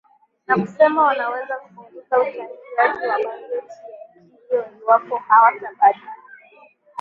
na kusema wanaweza kupunguza uchangiaji wa bajeti ya nchi hiyo iwapo hawatabadilika